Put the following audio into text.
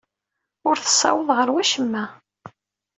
Ur tessaweḍ ɣer wacemma.